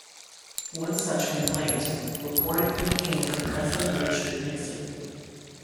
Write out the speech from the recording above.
One such complaint reportedly came from President Richard Nixon.